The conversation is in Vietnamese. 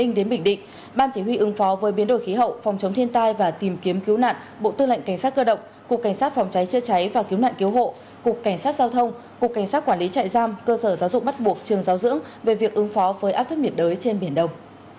theo đó văn phòng bộ công an vừa có công điện số một mươi hai gửi ban chỉ huy ứng phó với biến đổi khí hậu phòng chống thiên tai và tìm kiếm cứu nạn bộ tư lệnh cảnh sát cơ động cục cảnh sát phòng cháy chữa cháy và cứu nạn cứu hộ cục cảnh sát giao thông cục cảnh sát quản lý trại giam cơ sở giáo dục bắt buộc trường giáo dưỡng về việc ứng phó với áp thấp nhiệt đới trên biển đông